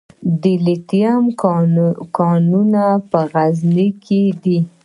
د لیتیم کانونه په غزني کې دي